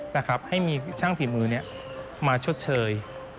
นะครับให้มีช่างฝีมือมาชดเชย